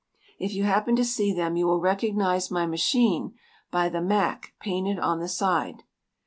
If you happen to see them you will recognize my machine by the MAC, painted on the side.